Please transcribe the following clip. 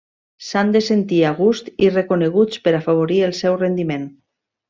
S’han de sentir a gust i reconeguts per afavorir el seu rendiment.